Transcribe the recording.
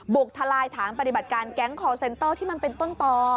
ทลายฐานปฏิบัติการแก๊งคอร์เซ็นเตอร์ที่มันเป็นต้นต่อ